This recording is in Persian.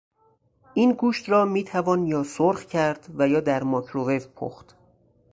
این گوشت را میتوان یا سرخ کرد و یا در مایکروویو پخت.